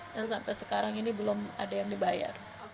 dan sampai sekarang ini belum ada yang dibayar